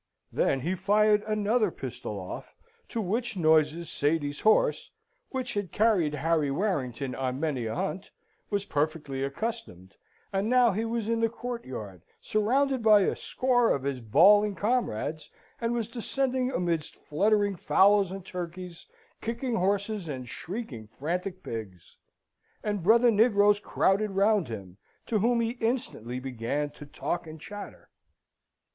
Then he fired another pistol off, to which noises Sady's horse, which had carried Harry Warrington on many a hunt, was perfectly accustomed; and now he was in the courtyard, surrounded by a score of his bawling comrades, and was descending amidst fluttering fowls and turkeys, kicking horses and shrieking frantic pigs; and brother negroes crowded round him, to whom he instantly began to talk and chatter.